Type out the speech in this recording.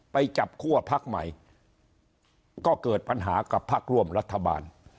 ไปจับคั่วพักใหม่ก็เกิดปัญหากับพักร่วมรัฐบาล